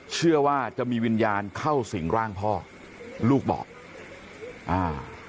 เชื่อว่าจะมีวิญญาณเข้าสิ่งร่างพ่อลูกบอกอ่า